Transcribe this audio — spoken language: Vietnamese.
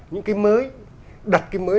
những cái mới đặt cái mới